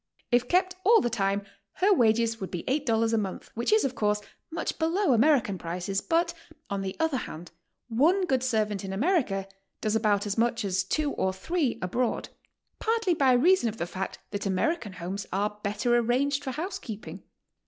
If kept all the time, her wages would be $8 a month, which is, of course, much below American prices, but, on the other hand, one good servant in America does about as much as two or three abroad, partly by leason of the fact that American homes are l)etter arranged for housekeeping.